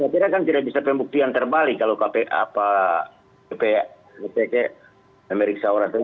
saya kira kan tidak bisa pembuktian terbalik kalau kpk meriksa orang